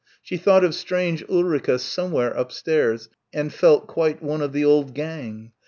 She thought of strange Ulrica somewhere upstairs and felt quite one of the old gang.